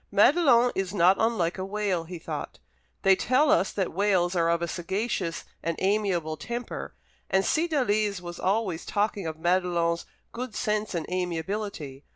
"Madelon is not unlike a whale," he thought. "They tell us that whales are of a sagacious and amiable temper, and Cydalise was always talking of Madelon's good sense and amiablity.